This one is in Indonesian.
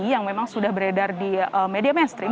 yang memang sudah beredar di media mainstream